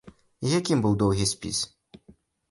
І якім быў доўгі спіс?